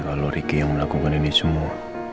kalau ricky yang melakukan ini semua